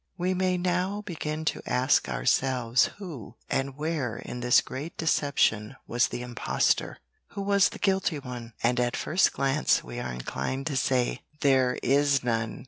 We may now begin to ask ourselves who and where in this great deception was the impostor. Who was the guilty one? And at first glance we are inclined to say "There is none!